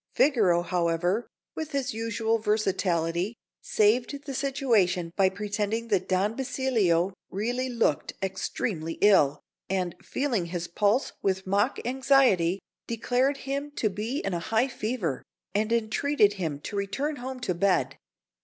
Figaro, however, with his usual versatility, saved the situation by pretending that Don Basilio really looked extremely ill, and, feeling his pulse with mock anxiety, declared him to be in a high fever, and entreated him to return home to bed.